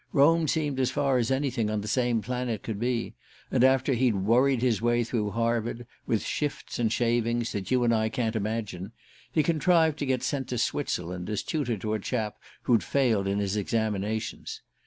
Rome seemed as far as anything on the same planet could be; and after he'd worried his way through Harvard with shifts and shavings that you and I can't imagine he contrived to get sent to Switzerland as tutor to a chap who'd failed in his examinations.